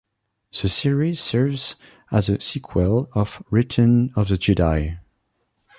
The series serves as a sequel of "Return of the Jedi".